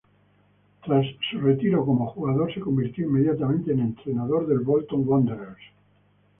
Tras su retiro como jugador, se convirtió inmediatamente en entrenador del Bolton Wanderers.